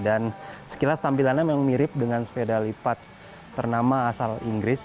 dan sekilas tampilannya memang mirip dengan sepeda lipat ternama asal inggris